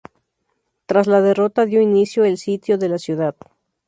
Tras la derrota dio inicio el sitio de la ciudad.